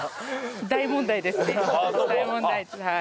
大問題ですはい。